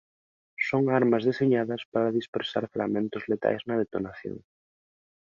Son armas deseñadas para dispersar fragmentos letais na detonación.